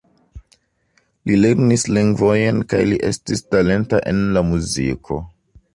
Li lernis lingvojn kaj li estis talenta en la muziko.